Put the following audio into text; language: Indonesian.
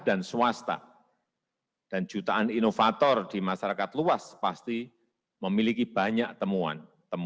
dan swasta dan jutaan inovator di masyarakat luas pasti memiliki banyak temuan